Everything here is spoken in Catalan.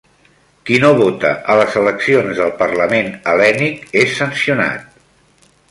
Qui no vota a les eleccions del Parlament Hel·lènic, és sancionat.